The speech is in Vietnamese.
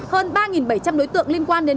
hơn ba bảy trăm linh đối tượng liên quan đến